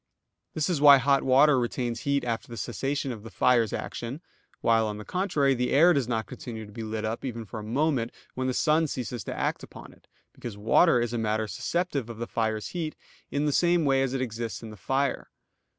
_ This is why hot water retains heat after the cessation of the fire's action; while, on the contrary, the air does not continue to be lit up, even for a moment, when the sun ceases to act upon it, because water is a matter susceptive of the fire's heat in the same way as it exists in the fire.